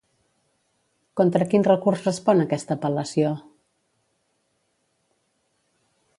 Contra quin recurs respon aquesta apel·lació?